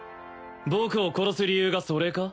僕を殺す理由がそれか？